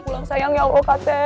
pulang sayang ya allah pak rete